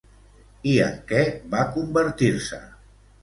I en què va convertir-se?